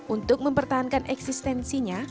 untuk mempertahankan eksistensi